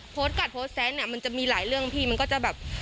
กัดโพสต์แซนเนี่ยมันจะมีหลายเรื่องพี่มันก็จะแบบ